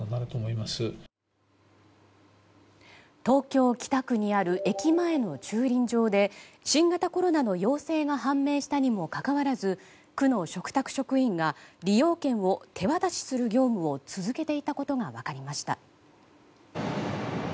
東京・北区にある駅前の駐輪場で新型コロナの陽性が判明したにもかかわらず区の嘱託職員が利用券を手渡しする業務を続けていたことが分かりました。